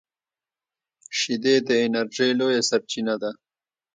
شیدې د انرژۍ لویه سرچینه ده